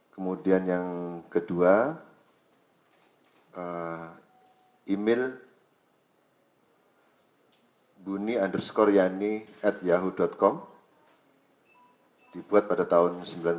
kemudian yang kedua email buni underscore yanni at yahoo com dibuat pada tahun seribu sembilan ratus sembilan puluh delapan